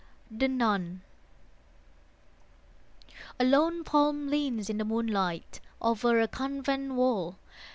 THE NUN A lone palm leans in the moonlight Over a convent wall.